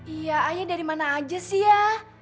iya ayah dari mana aja sih ya